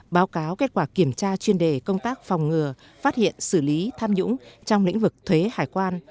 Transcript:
báo cáo kết quả kiểm tra chuyên đề công tác phòng ngừa phát hiện xử lý tham nhũng trong lĩnh vực thuế hải quan